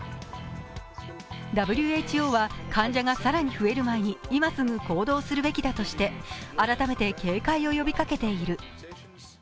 ＷＨＯは患者が更に増える前に今すぐ行動するべきだとして改めて警戒を呼びかけている。